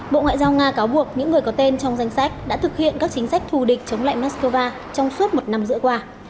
bộ ngoại giao nga cáo buộc những người có tên trong danh sách đã thực hiện các chính sách thù địch chống lại moscow trong suốt một năm giữa qua